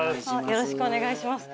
よろしくお願いします。